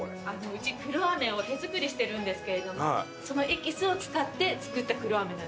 うち黒飴を手作りしてるんですけれどもそのエキスを使って作った黒飴なんです。